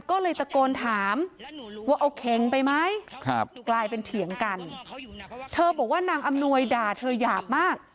ก็เลยตะโกนถามว่าเอาเข่งไปไหม